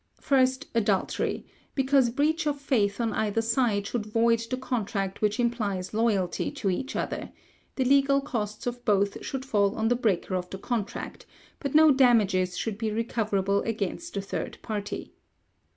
First, adultery, because breach of faith on either side should void the contract which implies loyalty to each other; the legal costs of both should fall on the breaker of the contract, but no damages should be recoverable against a third party.